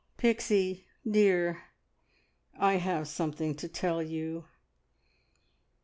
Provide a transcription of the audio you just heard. "Pixie dear, I have something to tell you.